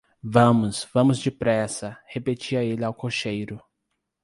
Vamos, vamos depressa, repetia ele ao cocheiro.